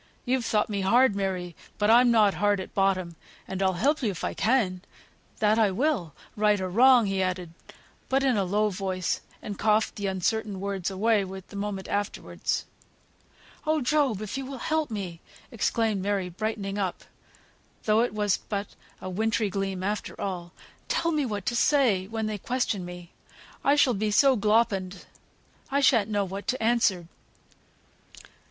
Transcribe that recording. You've thought me hard, Mary, but I'm not hard at bottom, and I'll help you if I can; that I will, right or wrong," he added; but in a low voice, and coughed the uncertain words away the moment afterwards. "Oh, Job! if you will help me," exclaimed Mary, brightening up (though it was but a wintry gleam after all), "tell me what to say, when they question me; I shall be so gloppened, I shan't know what to answer."